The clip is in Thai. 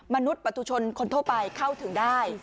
มนุษย์ประทุชนคนโทษไปเข้าถึงได้